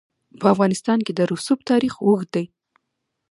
په افغانستان کې د رسوب تاریخ اوږد دی.